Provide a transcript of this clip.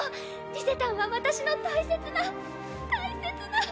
リゼたんは私の大切な大切な。